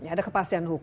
ada kepastian hukum